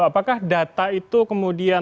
apakah data itu kemudian